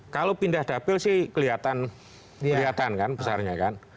kalau pindah dapil sih kelihatan kan besarnya kan